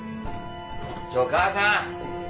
ちょっ母さん。